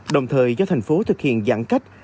đồng thời do thành phố thực hiện giãn cách